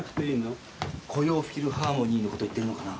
甲陽フィルハーモニーのこと言ってるのかな？